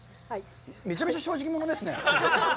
めちゃめちゃ正直者ですね。